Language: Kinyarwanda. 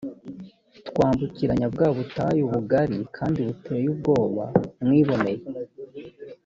twambukiranya bwa butayu bugari kandi buteye ubwoba mwiboneye